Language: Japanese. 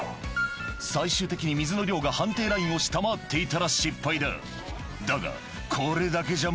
最終的に水の量が判定ラインを下回っていたら失敗だ。